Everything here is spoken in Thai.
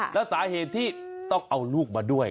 แล้วสาเหตุที่ต้องเอาลูกมาด้วย